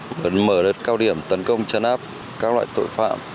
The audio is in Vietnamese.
vấn mở đất cao điểm tấn công chấn áp các loại tội phạm